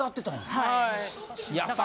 はい。